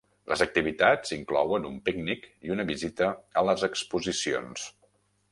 Les activitats inclouen un pícnic i una visita a les exposicions.